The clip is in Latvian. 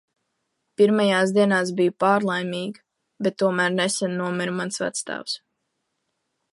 Pirmajās dienās biju pārlaimīga, bet tomēr nesen nomira mans vectēvs.